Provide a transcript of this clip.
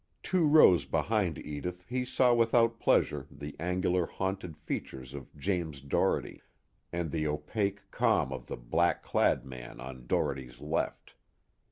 Two rows behind Edith he saw without pleasure the angular haunted features of James Doherty, and the opaque calm of the black clad man on Doherty's left.